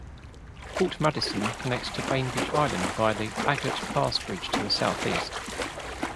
Port Madison connects to Bainbridge Island via the Agate Pass Bridge to the southeast.